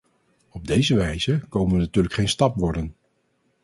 Op deze wijze komen we natuurlijk geen stap worden.